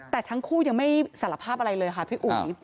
แต่ทั้งคู่ยังไม่สารภาพอะไรเลยค่ะพี่อุ๋ย